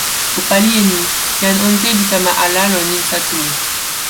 o pali e ni: jan ante li kama ala lon insa tomo.